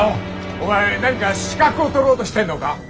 お前何か資格を取ろうとしてるのか？